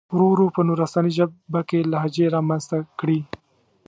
ورو ورو په نورستاني ژبه کې لهجې را منځته کړي.